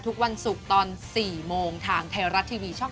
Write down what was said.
ทุกวันศุกร์ตอน๔โมงทางไทยรัฐทีวีช่อง๓